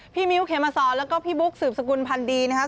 พี่มิวเคมศรแล้วก็พี่บุ๊คสืบสกุลพันธ์ดีนะครับ